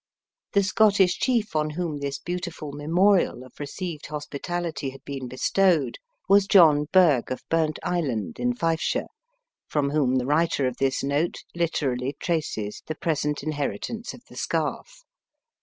The Scottish Chief on whom this beautiful memorial of received hospitality had been bestowed, was John Baird, of Burntisland, in Fifeshire, from whom the writer of this note literally traces the present inheritance of the scarf.